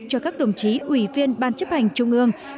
cho các đồng chí ủy viên ban chấp hành trung ương